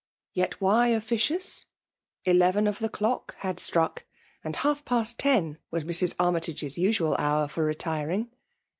Yet why officious ? Eleven of the clock had struck, and half past ten waa Mrs. Armytage's usual hour for retiring.